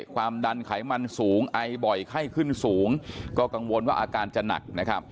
ความดันไขมันสูงไอบ่อยไข้ขึ้นสูงก็กังวลว่าอาการจะหนักนะครับ